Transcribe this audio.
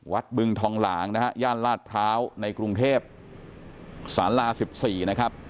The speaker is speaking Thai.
วัดบึงทองหลางนะครับย่านลาดพร้าวในกรุงเทพฯสารรา๑๔นะครับ